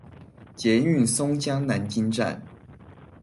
捷運松江南京站